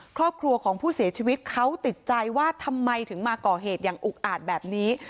ครอบครัวของผู้เสียชีวิตเขาติดใจว่าทำไมถึงมาก่อเหตุอย่างอุกอาจแบบนี้